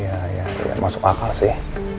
ya ya ya masuk akal sih